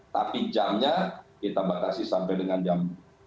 tapi jamnya kita batasi sampai dengan jam dua puluh satu